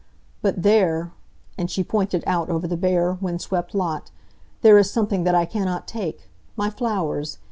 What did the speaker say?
But there," and she pointed out over the bare, wind swept lot, "there is something that I cannot take. My flowers!